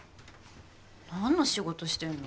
なんの仕事してんの？